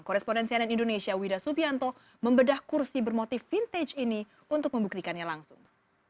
korespondensi ann indonesia wida subianto membedah kursi bermotif vintage ini untuk membuktikannya langsung